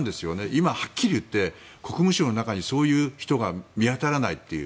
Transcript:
今はっきり言って、国務省の中にそういう人が見当たらない。